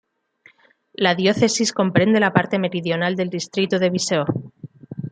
La diócesis comprende la parte meridional del distrito de Viseu.